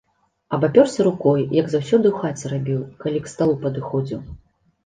Абапёрся рукой, як заўсёды ў хаце рабіў, калі к сталу падыходзіў.